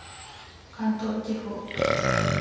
関東地方